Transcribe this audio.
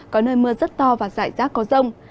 có nơi mưa rất to và dại giác có rông